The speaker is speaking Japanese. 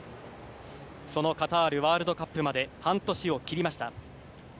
そのカタールワールドカップまで半年を切りました。